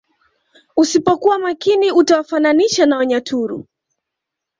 Usipokua makini utawafananisha na wanyaturu